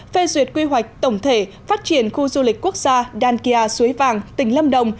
phê duyệt quy hoạch tổng thể phát triển khu du lịch quốc gia dankia suối vàng tỉnh lâm đồng